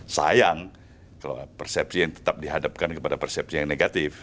sayang kalau persepsi yang tetap dihadapkan kepada persepsi yang negatif